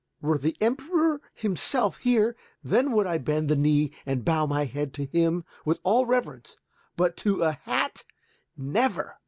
"Were the Emperor himself here, then would I bend the knee and bow my head to him with all reverence. But to a hat! Never!"